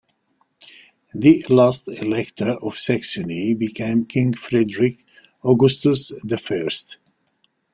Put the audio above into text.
The last elector of Saxony became King Frederick Augustus the First.